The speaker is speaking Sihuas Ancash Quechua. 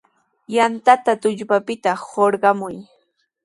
Yantata tullpapita hurqay.